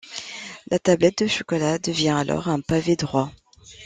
La tablette de chocolat devient alors un pavé droit.